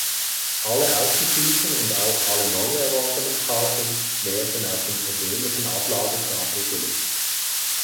Alle ausgespielten und auch alle neu erworbenen Karten werden auf den persönlichen Ablagestapel gelegt.